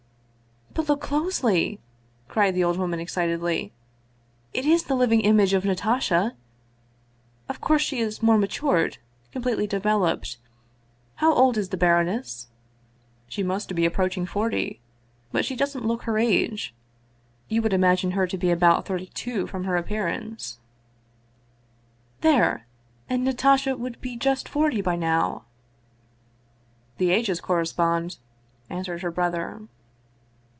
" But look closely," cried the old woman excitedly ;" it is the living image of Natasha! Of course she is more matured, completely developed. How old is the baroness ?"" She must be approaching forty. But she doesn't look her age; you would imagine her to be about thirty two from her appearance." " There ! And Natasha would be just forty by now !"" The ages correspond," answered her brother.